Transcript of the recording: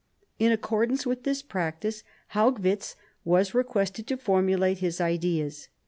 In accordance with this practice, Haugwitz was requested to formulate his ideas.